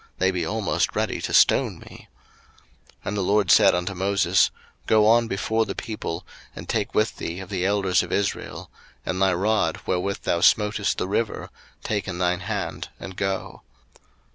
they be almost ready to stone me. 02:017:005 And the LORD said unto Moses, Go on before the people, and take with thee of the elders of Israel; and thy rod, wherewith thou smotest the river, take in thine hand, and go.